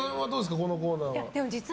このコーナーは。